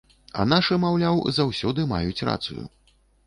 А нашы, маўляў, заўсёды маюць рацыю.